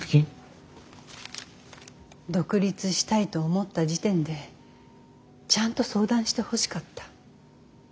独立したいと思った時点でちゃんと相談してほしかった。